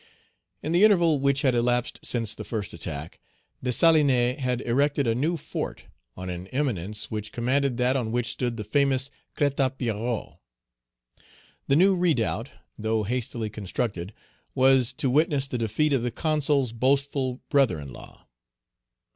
In the interval which had elapsed since the first attack, Dessalines had erected a new fort on an eminence which commanded that on which stood the famous Crête a Pierrot. The new redoubt, though hastily constructed, was to witness the defeat of the Consul's boastful brother in law.